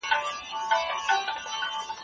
هغه د رواني او اجتماعي وېرو ډېر ښه تحلیل کړی دی.